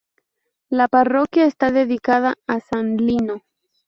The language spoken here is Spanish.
La parroquia está dedicada a San Lino.